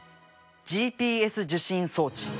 ＧＰＳ受信装置。